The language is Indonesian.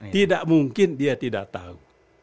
tidak mungkin dia tidak tahu